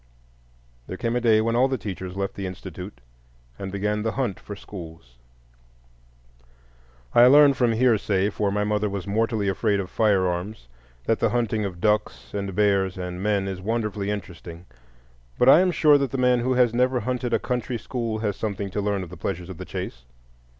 There came a day when all the teachers left the Institute and began the hunt for schools. I learn from hearsay (for my mother was mortally afraid of firearms) that the hunting of ducks and bears and men is wonderfully interesting, but I am sure that the man who has never hunted a country school has something to learn of the pleasures of the chase.